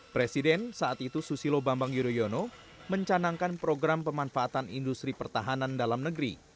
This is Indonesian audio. presiden saat itu susilo bambang yudhoyono mencanangkan program pemanfaatan industri pertahanan dalam negeri